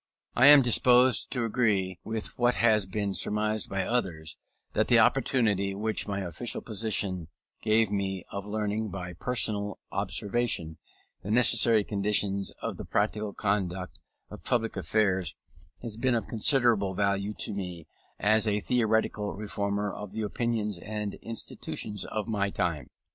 I am disposed to agree with what has been surmised by others, that the opportunity which my official position gave me of learning by personal observation the necessary conditions of the practical conduct of public affairs, has been of considerable value to me as a theoretical reformer of the opinions and institutions of my time.